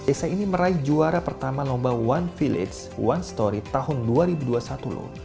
esa ini meraih juara pertama lomba one village one story tahun dua ribu dua puluh satu loh